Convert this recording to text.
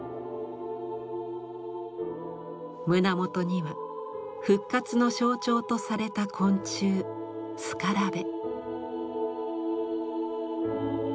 胸元には復活の象徴とされた昆虫スカラベ。